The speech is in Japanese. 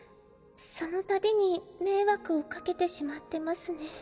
その度に迷惑をかけてしまってますね。